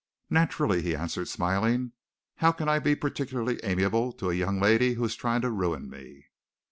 "Naturally," he answered, smiling. "How can I be particularly amiable to a young lady who is trying to ruin me?"